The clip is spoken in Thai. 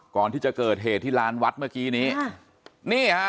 ก่อนที่จะเกิดเหตุที่ลานวัดเมื่อกี้นี้นี่ฮะ